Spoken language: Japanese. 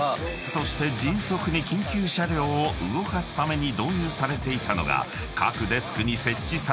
［そして迅速に緊急車両を動かすために導入されていたのが］